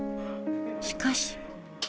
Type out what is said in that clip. しかし。